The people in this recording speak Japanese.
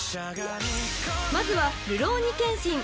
［まずは『るろうに剣心』］